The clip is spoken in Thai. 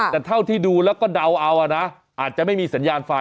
แต่เท่าที่ดูแล้วก็เดาเอานะอาจจะไม่มีสัญญาณไฟ